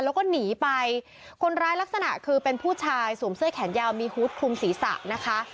แล้วก็หนีไปคนร้ายลักษณะคือเป็นผู้ชายสวมเสื้อแขนยาวมีฮูตคลุมศีรษะนะคะ